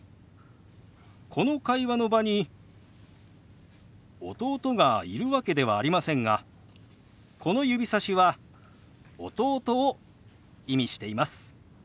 この会話の場に弟がいるわけではありませんがこの指さしは弟を意味しています。